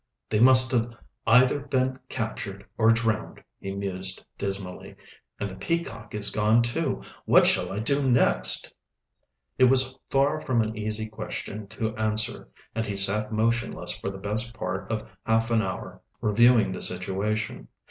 "They must have either been captured or drowned," he mused dismally. "And the Peacock is gone, too. What shall I do next?" It was far from an easy question to answer, and he sat motionless for the best part of half an hour, reviewing the situation.